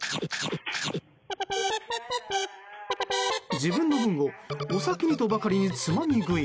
自分の分をお先にとばかりにつまみ食い。